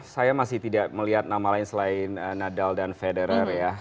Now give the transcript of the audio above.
saya masih tidak melihat nama lain selain nadal dan federer ya